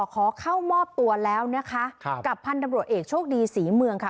ขอเข้ามอบตัวแล้วนะคะกับพันธบรวจเอกโชคดีศรีเมืองค่ะ